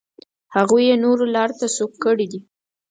هغوی یې نورو لارو ته سوق کړي دي.